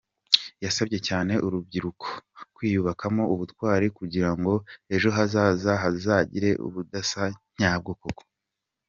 Yasabye cyane urubyiruko, kwiyubakamo ubutwari kugira ngo ejo hazaza hazagireubudasa nyabwo koko.